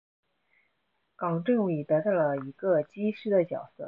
冈政伟得到了一个机师的角色。